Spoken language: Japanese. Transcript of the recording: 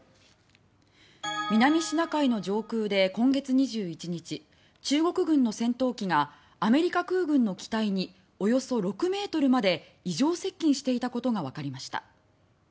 南シナ海の上空で今月２１日中国軍の戦闘機がアメリカ空軍の機体におよそ６ｍまで異常接近していたことがわかりました。